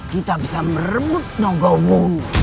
kita bisa merebut logongmu